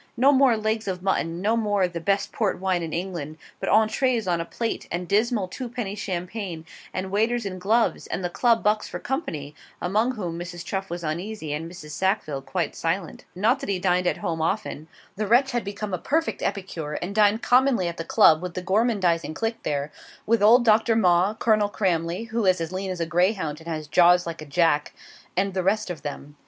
No more legs of mutton, no more of 'the best port wine in England;' but ENTREES on plate, and dismal twopenny champagne, and waiters in gloves, and the Club bucks for company among whom Mrs. Chuff was uneasy and Mrs. Sackville quite silent. Not that he dined at home often. The wretch had become a perfect epicure, and dined commonly at the Club with the gormandising clique there; with old Doctor Maw, Colonel Cramley (who is as lean as a greyhound and has jaws like a jack), and the rest of them.